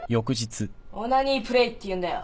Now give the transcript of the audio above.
オナニープレーって言うんだよ。